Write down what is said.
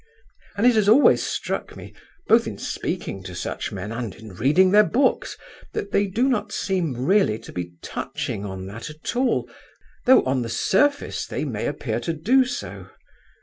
And it has always struck me, both in speaking to such men and in reading their books, that they do not seem really to be touching on that at all, though on the surface they may appear to do so.